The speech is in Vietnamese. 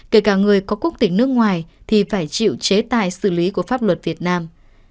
kể cả người có quốc tỉnh nước ngoài thì phải chịu chế tài xử lý của pháp luật việt nam